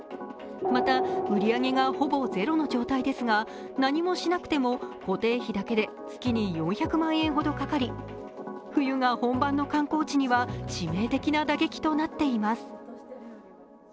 また売り上げが、ほぼゼロの状態ですが何もしなくても固定費だけで月に４００万円ほどかかり、冬が本番の観光地には致命的な打撃となっています。